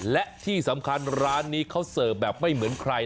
และที่สำคัญร้านนี้เขาเสิร์ฟแบบไม่เหมือนใคร